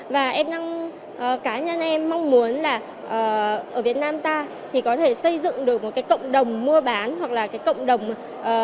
và em cá nhân em mong muốn là ở việt nam ta thì có thể xây dựng được một cộng đồng mua bán hoặc là cộng đồng thương mại